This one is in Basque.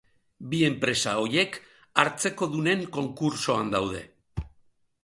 Bi enpresa horiek hartzekodunen konkurtsoan daude.